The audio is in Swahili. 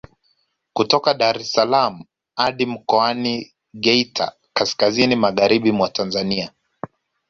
Kutoka Daressalaam hadi mkoani Geita kaskazini magharibi mwa Tanzania